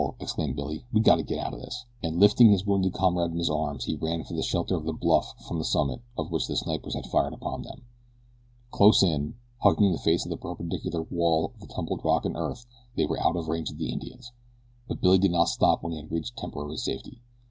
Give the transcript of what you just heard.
exclaimed Byrne. "We gotta get out of this," and lifting his wounded comrade in his arms he ran for the shelter of the bluff from the summit of which the snipers had fired upon them. Close in, hugging the face of the perpendicular wall of tumbled rock and earth, they were out of range of the Indians; but Billy did not stop when he had reached temporary safety.